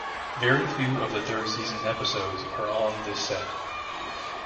Very few of the third-season episodes are on this set.